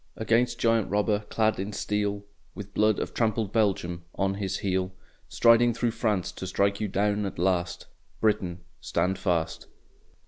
Against Giant Robber clad in steel, With blood of trampled Belgium on his heel, Striding through France to strike you down at last, Britain, stand fast!